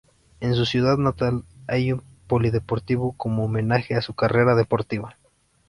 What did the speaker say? En su ciudad natal hay un polideportivo como homenaje a su carrera deportiva.